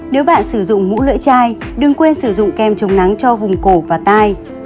nếu bạn sử dụng mũ lưỡi chai đừng quên sử dụng kem chống nắng cho vùng cổ và tai